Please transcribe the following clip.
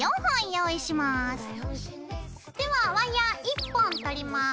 ではワイヤー１本取ります。